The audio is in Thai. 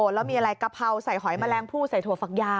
แล้วมีอะไรกะเพราใส่หอยแมลงผู้ใส่ถั่วฝักยาว